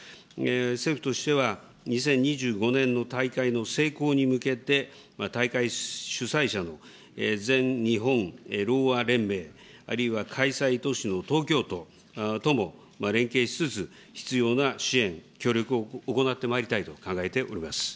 政府としては、２０２５年の大会の成功に向けて、大会主催者の全日本ろうあ連盟、あるいは開催都市の東京都とも連携しつつ、必要な支援、協力を行ってまいりたいと考えております。